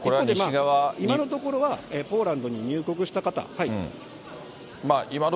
今のところは、ポーランドに入国した方、はい。